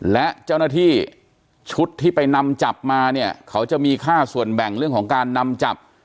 และเจ้าหน้าที่ชุดที่ไปนำจับมาเนี่ยเขาจะมีค่าส่วนแบ่งเรื่องของการนำจับ